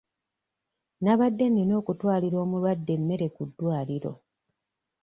Nabadde nina okutwalira omulwadde emmere ku ddwaliro.